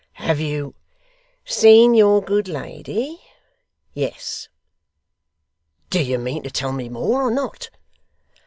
'Have you ' 'Seen your good lady? Yes.' 'Do you mean to tell me more, or not?